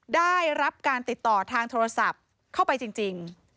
ได้รับการติดต่อทางโทรศัพท์เข้าไปจริง